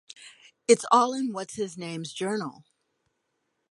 It's all in what's-his-name's journal.